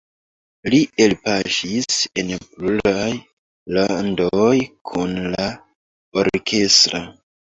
Li elpaŝis en pluraj landoj kun la orkestro.